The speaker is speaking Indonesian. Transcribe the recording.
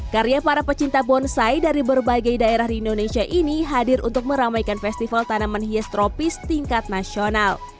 karya para pecinta bonsai dari berbagai daerah di indonesia ini hadir untuk meramaikan festival tanaman hias tropis tingkat nasional